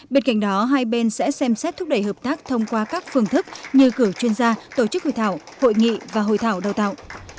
bên cạnh đó hai bên sẽ xem xét thúc đẩy hợp tác thông qua các phương thức như cử chuyên gia tổ chức hội thảo hội nghị và hội thảo đào tạo